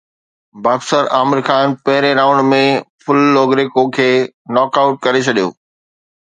boxer Amir Khan پهرين round ۾ Phil Lo Greco کي knock out ڪري ڇڏيو